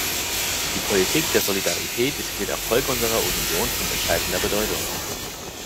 Die Politik der Solidarität ist für den Erfolg unserer Union von entscheidender Bedeutung.